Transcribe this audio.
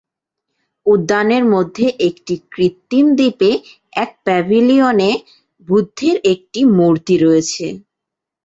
উদ্যানের মধ্যে একটি কৃত্রিম দ্বীপে এক প্যাভিলিয়নে বুদ্ধের একটি মূর্তি রয়েছে।